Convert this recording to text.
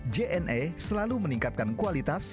jna selalu meningkatkan kualitas